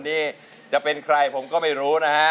นี่จะเป็นใครผมก็ไม่รู้นะฮะ